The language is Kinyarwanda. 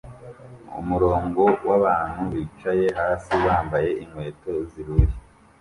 Umurongo wabantu bicaye hasi bambaye inkweto zihuye